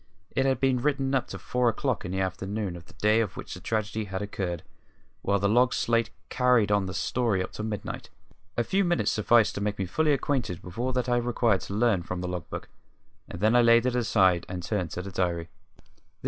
It had been written up to four o'clock in the afternoon of the day on which the tragedy had occurred, while the log slate carried on the story up to midnight. A few minutes sufficed to make me fully acquainted with all that I required to learn from the log book, and I then laid it aside and turned to the diary.